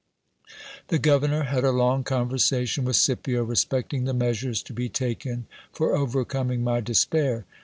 The governor had a long conversation with Scipio respecting the measures to be taken for overcoming my despair.